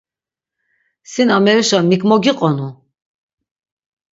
Sin amerişa mik mogiqonu?